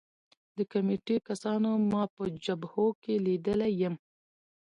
د کمېټې کسانو ما په جبهو کې لیدلی یم